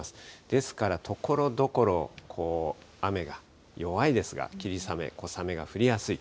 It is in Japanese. ですから、ところどころ、雨が、弱いですが、霧雨、小雨が降りやすい。